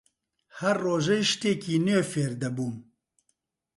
هەر ڕۆژەی شتێکی نوێ فێر دەبووم